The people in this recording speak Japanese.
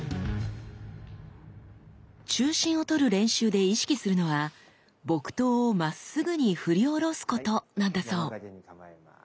中心をとる練習で意識するのは木刀をまっすぐに振り下ろすことなんだそう。